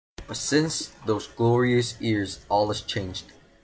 But since those glorious years all is changed.